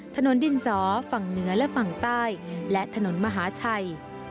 ถนนดินสอฝั่งเหนือและฝั่งใต้และถนนมหาชัย